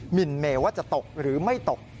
มินเมว่าจะตกหรือไม่ตก